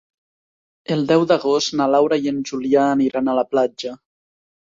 El deu d'agost na Laura i en Julià aniran a la platja.